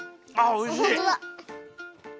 おいしい。